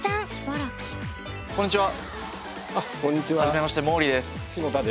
あっこんにちは。